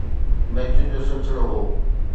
ميچن جو سلسلو هو